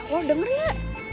wah dengar enggak